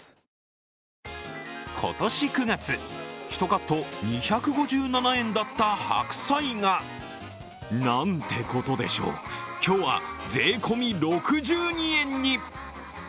今年９月、１カット２５７円だった白菜が、なんてことでしょう、今日は税込み６２円に。